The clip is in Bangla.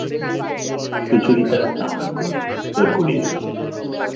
সুচরিতা তাহার কোনো উত্তর করিল না।